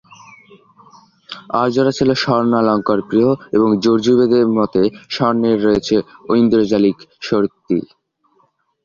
আর্যরা ছিল স্বর্ণালঙ্কার-প্রিয় এবং যজুর্বেদ-মতে স্বর্ণের রয়েছে ঐন্দ্রজালিক শক্তি।